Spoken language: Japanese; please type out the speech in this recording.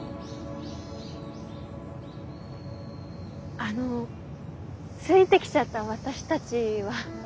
あのついてきちゃった私たちは？